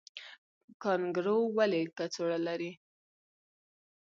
کانګارو ولې کڅوړه لري؟